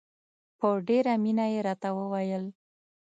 په ډېره مینه یې راته وویل.